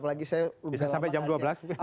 bisa sampai jam dua belas